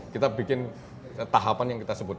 kita bikin tahapan yang kita sebut